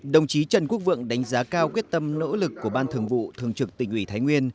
đồng chí trần quốc vượng đánh giá cao quyết tâm nỗ lực của ban thường vụ thường trực tỉnh ủy thái nguyên